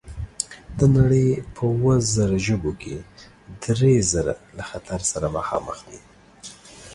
د نړۍ په اووه زره ژبو کې درې زره له خطر سره مخامخ دي.